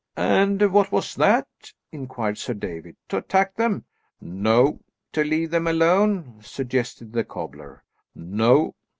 "And what was that?" inquired Sir David, "to attack them?" "No." "To leave them alone?" suggested the cobbler. "No."